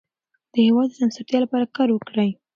د هېواد د سمسورتیا لپاره کار وکړئ.